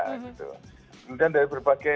kemudian dari berbagai